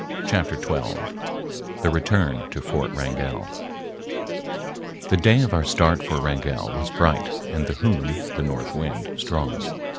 Chapter XII The Return to Fort Wrangell The day of our start for Wrangell was bright and the Hoon, the north wind, strong.